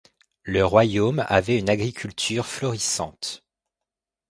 Le royaume avait une agriculture florissante.